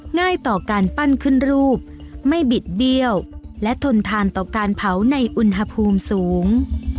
ง่ายต่อการปั้นขึ้นรูปไม่บิดเบี้ยวและทนทานต่อการเผาในอุณหภูมิสูง